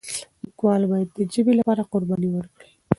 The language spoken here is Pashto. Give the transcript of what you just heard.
لیکوال باید د ژبې لپاره قرباني ورکړي.